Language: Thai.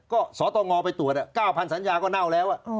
ก็สตงไปตรวจ๙๐๐สัญญาก็เน่าแล้ว